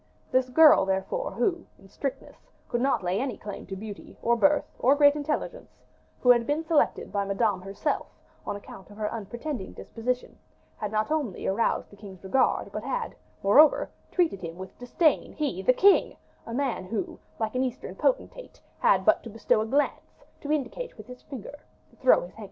This girl, therefore, who, in strictness, could not lay claim to beauty, or birth, or great intelligence who had been selected by Madame herself, on account of her unpretending position, had not only aroused the king's regard, but had, moreover, treated him with disdain he, the king, a man who, like an eastern potentate, had but to bestow a glance, to indicate with his finger, to throw his handkerchief.